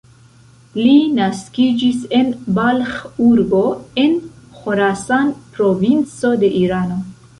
Li naskiĝis en Balĥ-urbo en Ĥorasan-provinco de Irano.